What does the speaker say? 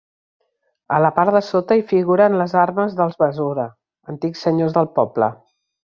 A la part de sota hi figuren les armes dels Besora, antics senyors del poble.